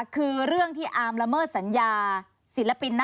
คือเรื่องที่อาร์มละเมิดสัญญา